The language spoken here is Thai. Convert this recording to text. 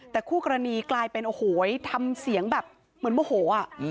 แต่คู่กรณีกลายเป็นโอ้โหทำเสียงแบบเหมือนโมโห